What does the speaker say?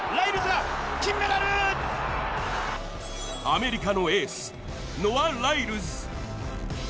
アメリカのエースノア・ライルズ。